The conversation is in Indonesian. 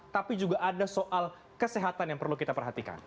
tapi juga ada soal kesehatan yang perlu kita perhatikan